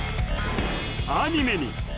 アニメに！